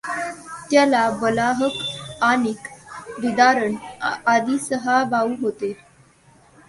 त्याला बलाहक, आनीक, विदारण आदि सहा भाऊ होते.